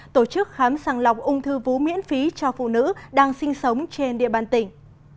tổ chức khám sàng lọc ung thư vú miễn phí cho phụ nữ đang sinh sống trên địa bàn tỉnh